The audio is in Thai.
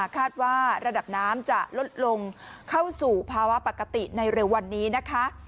คาดว่าระดับน้ำจะลดลงเข้าสู่ภาวะปกติในเร็ววันนี้นะคะ